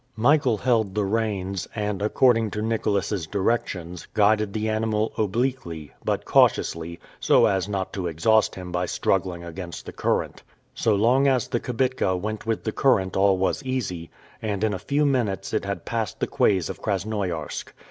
Michael held the reins, and, according to Nicholas's directions, guided the animal obliquely, but cautiously, so as not to exhaust him by struggling against the current. So long as the kibitka went with the current all was easy, and in a few minutes it had passed the quays of Krasnoiarsk.